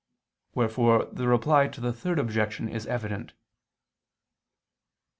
Wherefore the Reply to the Third Objection is evident.